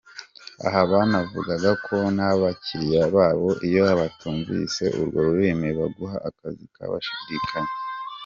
Aha banavuga ko n’abakiliya babo iyo batakumviseho urwo rurimi baguha akazi bashidikanya.